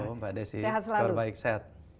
halo mbak desi selamat siang